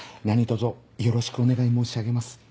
何とぞよろしくお願い申し上げます。